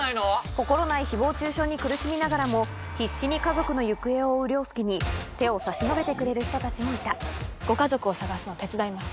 心ない誹謗中傷に苦しみながらも必死に家族の行方を追う凌介に手を差し伸べてくれる人たちもいたご家族を捜すの手伝います。